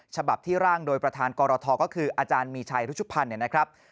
ฉบับที่ร่างโดยประธานกรทก็คืออาจารย์มีชัยรุชุพันธ์เนี่ยนะครับ